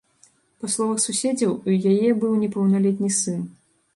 Па словах суседзяў, у яе быў непаўналетні сын.